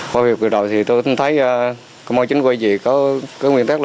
với việc cử đội thì tôi thấy có mong chính quân vị có nguyên tắc